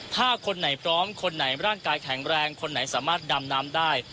ถ้าคนไหนพร้อมคนไหนร่างกายแข็งแรงคนไหนสามารถดำน้ำได้